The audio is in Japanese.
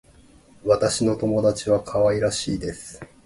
私の友達は可愛らしいです。